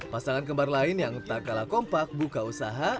pasangan kembar lain yang tak kalah kompak buka usaha